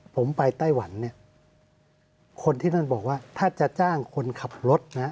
ผมไปไต้หวันเนี่ยคนที่นั่นบอกว่าถ้าจะจ้างคนขับรถนะ